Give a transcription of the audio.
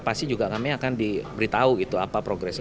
pasti juga kami akan diberitahu gitu apa progresnya